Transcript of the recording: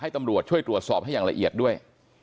ตำรวจช่วยตรวจสอบให้อย่างละเอียดด้วย